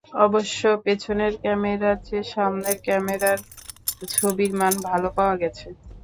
অবশ্য পেছনের ক্যামেরার চেয়ে সামনের ক্যামেরায় ছবির মান ভালো পাওয়া গেছে।